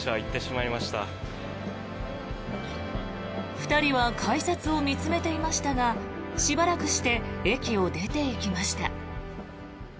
２人は改札を見つめていましたがしばらくして駅を出ていきました。